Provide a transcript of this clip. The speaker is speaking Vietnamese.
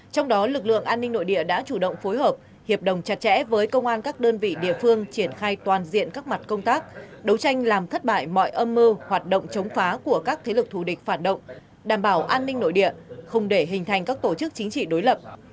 trong đó lực lượng an ninh nội địa đã chủ động phối hợp hiệp đồng chặt chẽ với công an các đơn vị địa phương triển khai toàn diện các mặt công tác đấu tranh làm thất bại mọi âm mưu hoạt động chống phá của các thế lực thù địch phản động đảm bảo an ninh nội địa không để hình thành các tổ chức chính trị đối lập